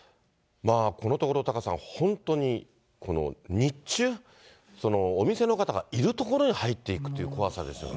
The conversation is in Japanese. このところタカさん、本当にこの日中、お店の方がいる所に入っていくっていう怖さですよね。